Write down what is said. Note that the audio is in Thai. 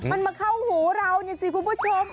มันมาเข้าหูเรานี่สิคุณผู้ชม